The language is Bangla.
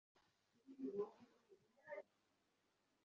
ভুলি বা না ভুলি, তাহাতে সংসারে আমি ছাড়া আর- কাহারো কোনো ক্ষতি নাই।